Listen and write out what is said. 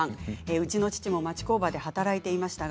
うちの父も町工場で働いていました。